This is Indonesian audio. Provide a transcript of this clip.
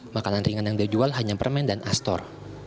makanan ringan yang dijual hanya permen dan astor